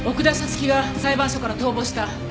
月が裁判所から逃亡した。